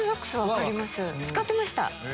使ってました。